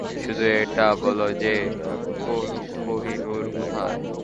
শুধু এটা বলো যে কোহিনূর কোথায়?